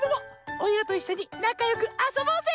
おいらといっしょになかよくあそぼうぜ！